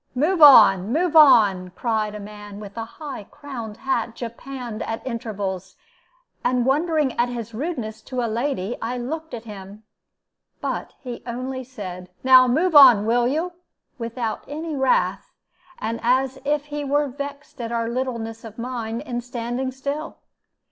"Move on! move on!" cried a man with a high crowned hat japanned at intervals, and, wondering at his rudeness to a lady, I looked at him. But he only said, "Now move on, will you?" without any wrath, and as if he were vexed at our littleness of mind in standing still.